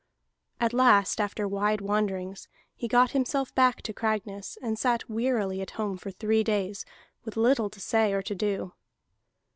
At last, after wide wanderings, he got himself back to Cragness, and sat wearily at home for three days, with little to say or to do.